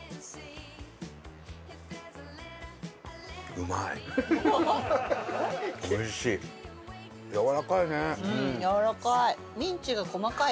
うんやわらかい。